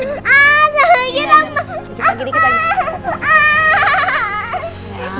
dikit lagi dikit lagi